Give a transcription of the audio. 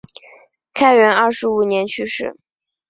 开元二十五年去世。